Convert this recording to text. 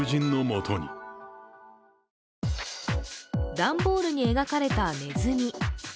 段ボールに描かれたねずみ。